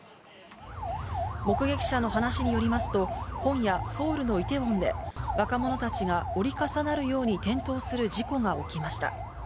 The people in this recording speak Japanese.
目撃者の話によりますと、今夜、ソウルのイテウォンで、若者たちが折り重なるように転倒する事故が起きました。